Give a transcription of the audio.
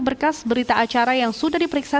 berkas berita acara yang sudah diperiksa